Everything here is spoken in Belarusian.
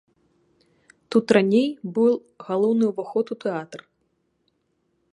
Тут раней быў галоўны ўваход у тэатр.